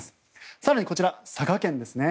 更にこちら、佐賀県ですね。